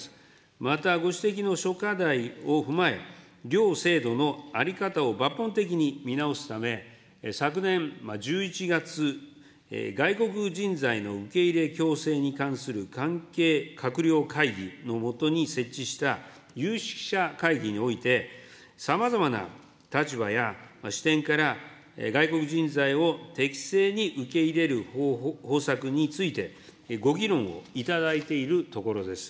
またご指摘の諸課題を踏まえ、行制度の在り方を抜本的に見直すため、昨年１１月、外国人材の受け入れきょうせいに関する関係閣僚会議の下に設置した有識者会議において、さまざまな立場や視点から、外国人材を適正に受け入れる方策について、ご議論をいただいているところです。